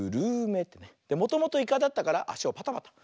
もともとイカだったからあしをパタパタ。